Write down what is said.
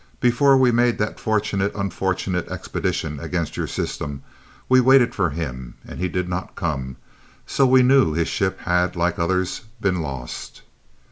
Before we made that fortunate unfortunate expedition against your system, we waited for him, and he did not come, so we knew his ship had, like others, been lost.